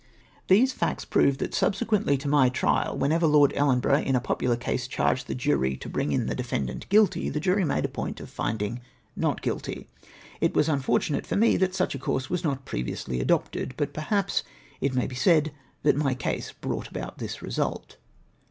These facts prove, that subsequently/ to my trial, when ever Lord Ellenborough, in a popular case, charged the jury to bring in' the defendant " Guilty," the jury made a point of finding " Not Guilty." It was unfortunate for me that such a course was not previously adopted, but, perhaps, it may be said, that my case brought about this result.